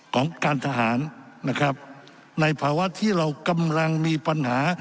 ของการทหารนะครับในภาวะที่เรากำลังมีปัญหา